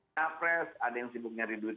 capres ada yang sibuk nyari duit